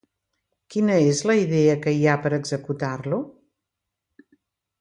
Quina és la idea que hi ha per a executar-lo?